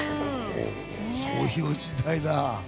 そういう時代だ。